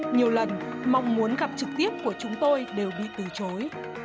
nhiều lần mong muốn gặp trực tiếp của chúng tôi đều bị từ chối